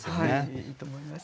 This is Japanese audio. いいと思います。